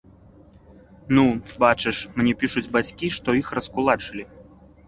Ну, бачыш, мне пішуць бацькі, што іх раскулачылі.